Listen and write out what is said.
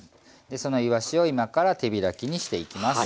でそのいわしを今から手開きにしていきます。